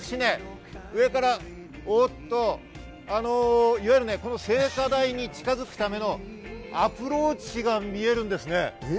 おっと、聖火台に近づくためのアプローチが見えるんですね。